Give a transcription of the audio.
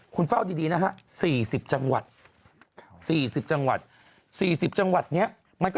คุณเฝ้าดีนะฮะ๔๐จังหวัด๔๐จังหวัด๔๐จังหวัดนี้มันก็